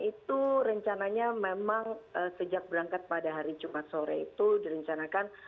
itu rencananya memang sejak berangkat pada hari jumat sore itu direncanakan